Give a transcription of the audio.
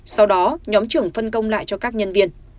sau đó nhóm trưởng phân công lại cho các nhân viên